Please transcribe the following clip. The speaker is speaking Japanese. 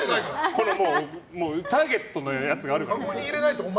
これ、もうターゲットのやつがあるから。